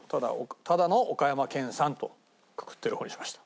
ただの岡山県産とくくってる方にしました。